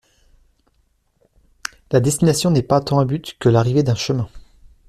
La destination n’est pas tant un but que l’arrivée d’un chemin.